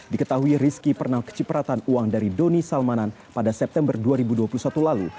diketahui rizky pernah kecipratan uang dari doni salmanan pada september dua ribu dua puluh satu lalu